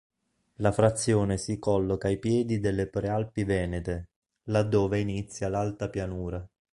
La frazione si colloca ai piedi delle prealpi venete, laddove inizia l'alta pianura.